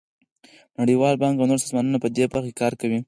نړیوال بانک او نور سازمانونه په دې برخه کې کار کوي.